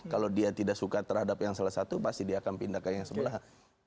kalau dia tidak suka terhadap yang salah satu pasti dia akan pindah ke yang sebelah